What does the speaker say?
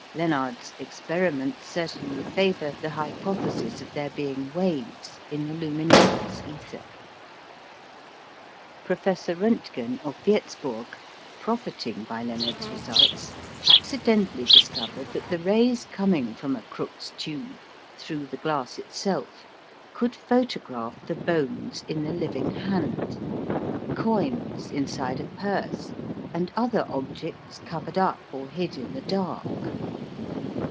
Lenard's experiments certainly favour the hypothesis of their being waves in the luminiferous ether. Professor Rontgen, of Wirzburg, profiting by Lenard's results, accidentally discovered that the rays coming from a Crookes tube, through the glass itself, could photograph the bones in the living hand, coins inside a purse, and other objects covered up or hid in the dark.